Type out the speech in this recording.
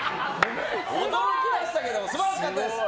驚きましたけど素晴らしかったです。